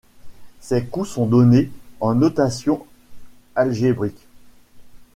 Ces coups sont donnés en notation algébrique.